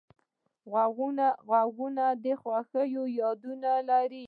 غوږونه د خوښیو یادونه لري